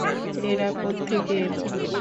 এরা কোত্থেকে এলো?